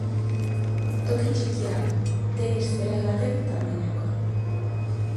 Toki txikia da, tenis zelai baten tamainakoa.